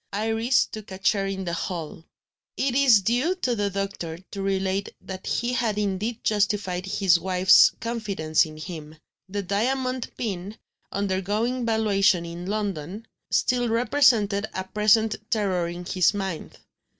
Iris took a chair in the hall. It is due to the doctor to relate that he had indeed justified his wife's confidence in him. The diamond pin, undergoing valuation in London, still represented a present terror in his mind.